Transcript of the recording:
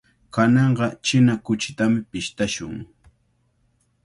Kananqa china kuchitami pishtashun.